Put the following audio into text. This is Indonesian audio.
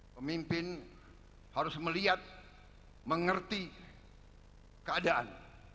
pemimpin harus melihat mengerti keadaan